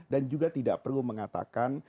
dan juga tidak perlu mengatakan